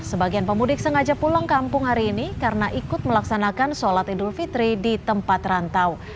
sebagian pemudik sengaja pulang kampung hari ini karena ikut melaksanakan sholat idul fitri di tempat rantau